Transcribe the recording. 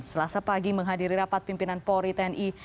selasa pagi menghadiri rapat pimpinan polri tni